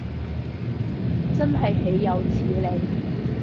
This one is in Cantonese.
真係豈有此理